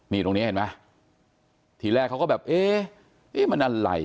นี่ตรงนี้เห็นไหมทีแรกเขาก็แบบเอ๊ะมันอะไร